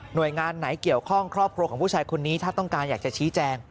โดยงานไหนเกี่ยวข้องครอบครัวของผู้ชายคนนี้ถ้าต้องการอยากจะชี้แจง